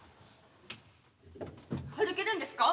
歩けるんですか？